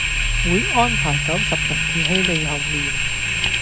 會安排九十人企喺你後面